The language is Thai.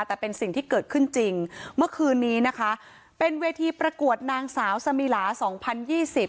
แต่เป็นสิ่งที่เกิดขึ้นจริงเมื่อคืนนี้นะคะเป็นเวทีประกวดนางสาวสมิลาสองพันยี่สิบ